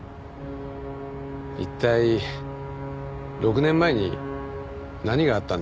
一体６年前に何があったんですか？